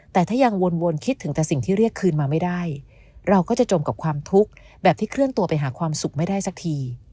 แต่ถ้ายังวนคิดถึงแต่สิ่งที่เรียกคืนมาไม่ได้เราก็จะจมกับความทุกข์แบบที่เคลื่อนตัวไปหาความสุขไม่ได้สักที